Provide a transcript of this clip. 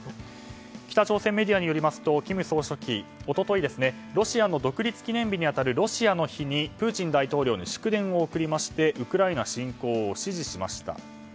北朝鮮メディアによりますと金総書記一昨日、ロシアの独立記念日に当たるロシアの日にプーチン大統領に祝電を送りましてウクライナ侵攻を支持しました。